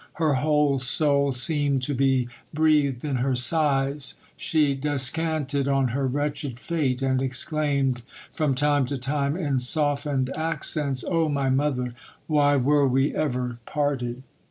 Her whole soul seemed to be breathed in her sighs ; she descanted on her wretch ed fate, and exclaimed from time to time in softened accents : O my mother, why were we ever parted